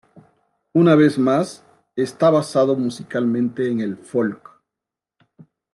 Una vez más, está basado musicalmente en el folk.